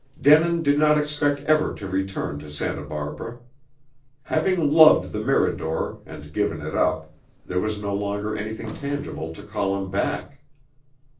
Denin did not expect ever to return to Santa Barbara. Having loved the Mirador, and given it up, there was no longer anything tangible to call him back.